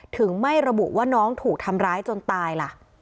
ไม่ระบุว่าน้องถูกทำร้ายจนตายล่ะ